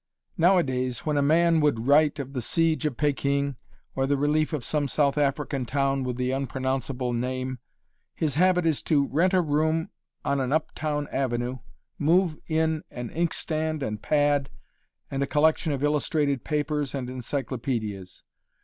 Nowadays when a man would write of the Siege of Peking or the relief of some South African town with the unpronounceable name, his habit is to rent a room on an up town avenue, move in an inkstand and pad, and a collection of illustrated papers and encyclopedias.